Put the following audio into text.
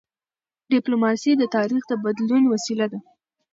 ډيپلوماسي د تاریخ د بدلون وسیله وه.